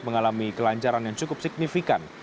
mengalami kelancaran yang cukup signifikan